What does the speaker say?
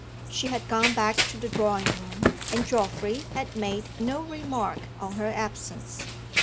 She had gone back to the drawing room; and Geoffrey had made no remark on her absence.